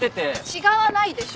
違わないでしょ？